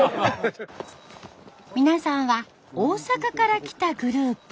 皆さんは大阪から来たグループ。